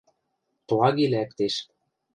Плаги лӓктеш.